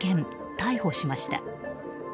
逮捕しました。